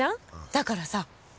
だからさ。